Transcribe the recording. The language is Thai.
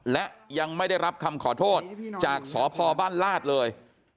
และยังไม่ได้รับคำขอโทษจากสพบ้านลาดเลย